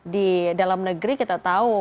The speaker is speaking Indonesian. di dalam negeri kita tahu